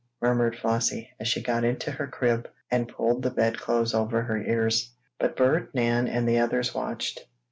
murmured Flossie, as she got into her crib, and pulled the bed clothes over her ears. But Bert, Nan and the others watched.